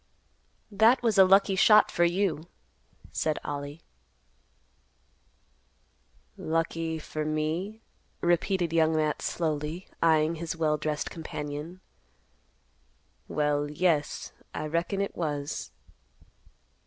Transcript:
"That was a lucky shot for you," said Ollie. "Lucky for me," repeated Young Matt slowly, eyeing his well dressed companion; "Well, yes, I reckon it was."